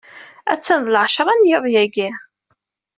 Attan d lɛecṛa n yiḍ yagi.